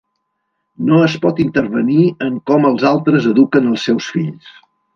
No es pot intervenir en com els altres eduquen els seus fills.